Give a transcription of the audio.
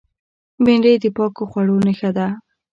بېنډۍ د پاکو خوړو نخښه ده